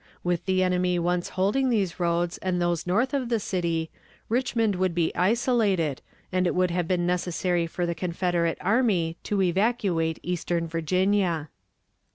With the enemy once holding these roads and those north of the city, Richmond would be isolated, and it would have been necessary for the Confederate army to evacuate eastern Virginia.